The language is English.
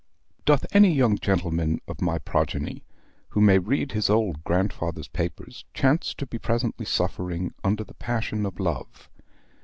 Doth any young gentleman of my progeny, who may read his old grandfather's papers, chance to be presently suffering under the passion of Love?